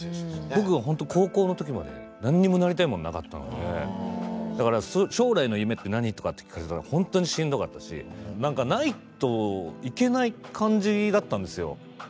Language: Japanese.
僕は本当、高校のときまでなんにもなりたいものなかったのでだから将来の夢って何？とかって聞かれたら本当にしんどかったしなんかないといけない感じだったんですよ。